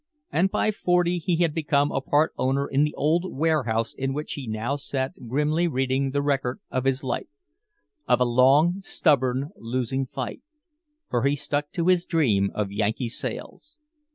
And by forty he had become a part owner in the old warehouse in which he now sat grimly reading the record of his life of a long stubborn losing fight, for he stuck to his dream of Yankee sails.